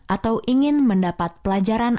atau ingin mendapat pelajaran